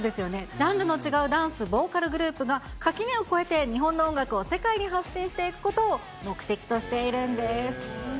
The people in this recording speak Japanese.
ジャンルの違うダンス、ボーカルグループが垣根を越えて日本の音楽を世界に発信していくことを目的としているんです。